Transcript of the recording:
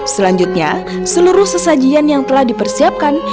selanjutnya seluruh sesajian yang telah dipersiapkan